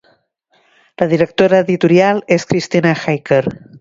La directora editorial és Kristina Hacker.